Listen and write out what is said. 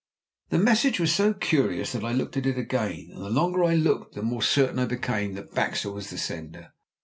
The message was so curious that I looked at it again, and the longer I looked the more certain I became that Baxter was the sender.